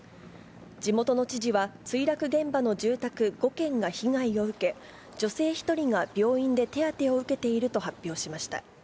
地元の知事は、墜落現場の住宅５軒が被害を受け、女性１人が病院で手当てを受けていると発表しました。